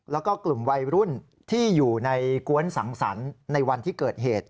แล้วก็กลุ่มวัยรุ่นที่อยู่ในกวนสังสรรค์ในวันที่เกิดเหตุ